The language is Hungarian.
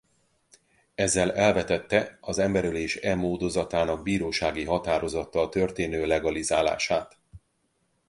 Ezzel elvetette az emberölés e módozatának bírósági határozattal történő legalizálását.